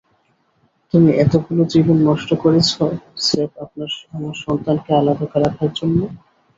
তুমি এতগুলো জীবন নষ্ট করেছো স্রেফ আমার সন্তানকে আলাদা রাখার জন্য।